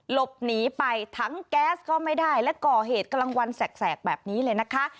หลบหนีไปทั้งแก๊สก็ไม่ได้และก่อเหตุกลางวันแสกแบบนี้เลยนะคะ